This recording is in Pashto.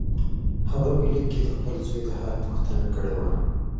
هغه په لیک کې د خپل زوی د حال پوښتنه کړې وه.